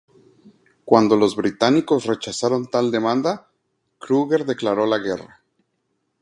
Cuando los británicos rechazaron tal demanda, Kruger declaró la guerra.